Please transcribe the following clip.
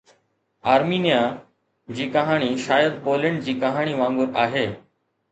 آرمينيا جي ڪهاڻي شايد پولينڊ جي ڪهاڻي وانگر آهي